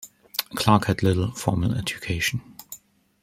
Clark had little formal education.